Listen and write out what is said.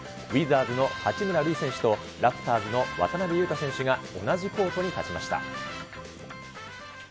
ウィザーズの八村塁選手とラプターズの渡邊雄太選手が同じコートに立ちました。